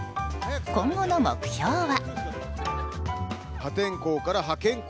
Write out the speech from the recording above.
今後の目標は。